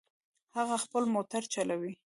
هغه خپل موټر چلوي